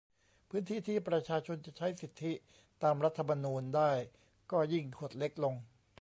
พื้นที่ที่ประชาชนจะใช้สิทธิตามรัฐธรรมนูญได้ก็ยิ่งหดเล็กลง